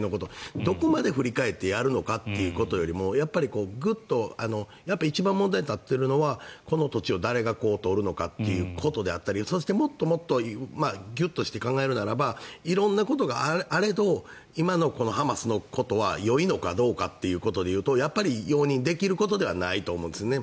どこまで振り返ってやるのかということよりもグッと、一番表に立っているのはこの土地を誰が取るのかということであったりもっとギュッと考えるのであれば色んなことがあれど今のハマスのことはよいのかどうかということでいうと容認できることではないと思うんですね。